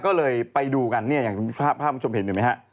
ก็เลยไปดูกันเนี่ยอย่างภาพมันชมเห็นเห็นมั้ยฮะ